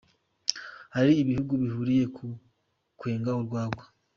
Hari ibihugu bihuriye ku kwenga urwaga.